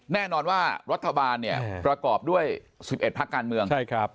แน่นอนว่ารัฐบาลประกอบด้วย๑๑ภักดิ์การเมือง